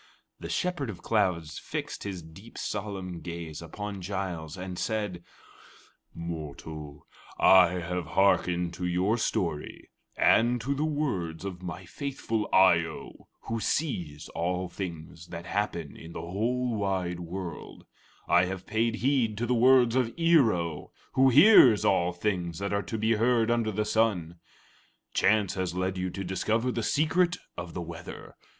'" The Shepherd of Clouds fixed his deep, solemn gaze upon Giles and said: "Mortal, I have hearkened to your story and to the words of my faithful Eye o, who sees all things that happen in the whole wide world; I have paid heed to the words of Ear o, who hears all things that are to be heard under the sun. Chance has led you to discover the secret of the weather.